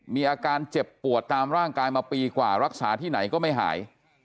มีอาการเจ็บปวดตามร่างกายมาปีกว่ารักษาที่ไหนก็ไม่หาย